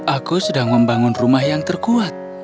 aku sedang membangun rumah yang terkuat